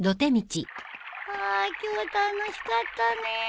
あ今日楽しかったね。